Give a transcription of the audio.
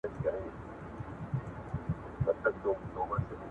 او د هغو خیالونو تقلید کوي